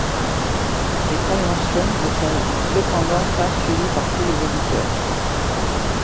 Ces conventions ne sont cependant pas suivies par tous les éditeurs.